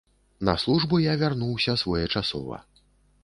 На службу я вярнуўся своечасова.